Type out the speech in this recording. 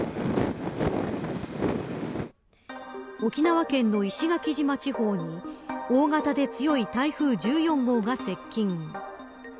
沖縄県の石垣島地方に大型で強い台風１４号が接近。